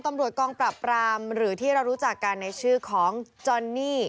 ตำรวจกองปราบรามหรือที่เรารู้จักกันในชื่อของจอนนี่